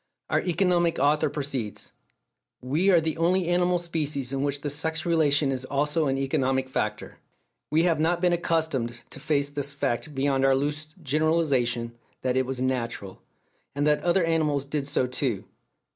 Our economic author proceeds: "We are the only animal species in which the sex relation is also an economic factor. .. We have not been accustomed to face this fact beyond our loose generalization that it was 'natural,' and that other animals did so too."